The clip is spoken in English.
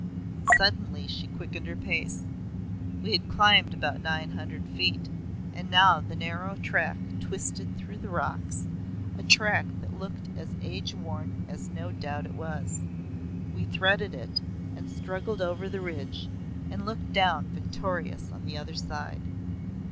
Suddenly she quickened her pace. We had climbed about nine hundred feet, and now the narrow track twisted through the rocks a track that looked as age worn as no doubt it was. We threaded it, and struggled over the ridge, and looked down victorious on the other side.